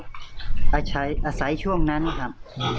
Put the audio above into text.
อาศัยช่วงนั้นครับ